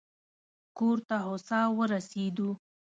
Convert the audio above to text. کور ته هوسا ورسېدو.